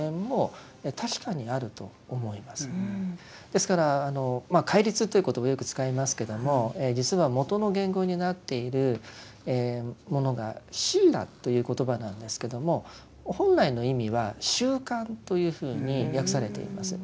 ですから戒律という言葉をよく使いますけども実はもとの言語になっているものが「シーラ」という言葉なんですけどもというふうに訳されています。